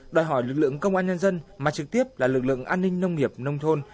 đòi hỏi lực lượng công an nhân dân mà trực tiếp là lực lượng an ninh nông nghiệp nông thôn